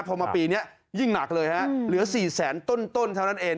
พอมาปีนี้ยิ่งหนักเลยฮะเหลือ๔แสนต้นเท่านั้นเอง